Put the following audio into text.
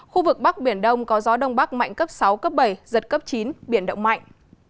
khu vực bắc biển đông có gió đông bắc mạnh cấp sáu cấp bảy giật cấp chín biển động mạnh